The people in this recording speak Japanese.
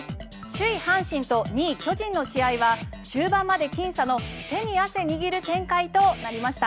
首位阪神と２位巨人の試合は終盤まできん差の手に汗握る展開となりました。